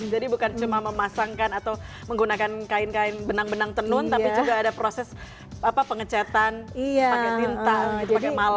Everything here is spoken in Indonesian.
jadi bukan cuma memasangkan atau menggunakan kain kain benang benang tenun tapi juga ada proses pengecatan pakai tinta pakai malam